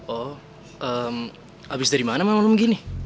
oh emm abis dari mana malem malem begini